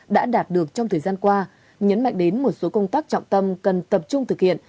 đã đạt được trong thời gian qua nhấn mạnh đến một số công tác trọng tâm cần tập trung thực hiện